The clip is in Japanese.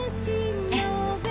ええ。